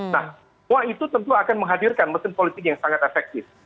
nah semua itu tentu akan menghadirkan mesin politik yang sangat efektif